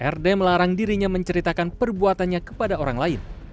rd melarang dirinya menceritakan perbuatannya kepada orang lain